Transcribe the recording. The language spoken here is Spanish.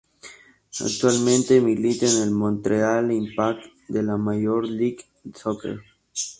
Actualmente milita en el Montreal Impact de la Major League Soccer.